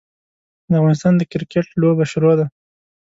د افغانستان د کرکیټ لوبه شروع ده.